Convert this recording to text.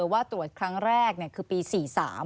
ว่าตรวจครั้งแรกคือปี๔๓